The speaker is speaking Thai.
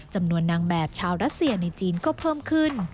นางแบบชาวรัสเซียในจีนก็เพิ่มขึ้น